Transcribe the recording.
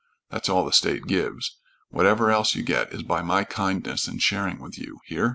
That's all the state gives. Whatever else you get is by my kindness in sharing with you. Hear?"